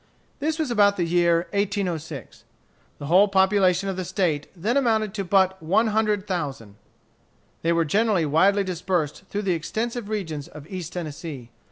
This was about the year 1806. The whole population of the State then amounted to but about one hundred thousand. They were generally widely dispersed through the extensive regions of East Tennessee.